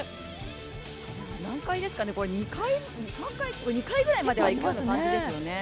何階ですかね、２階ぐらいまではいくような感じですよね。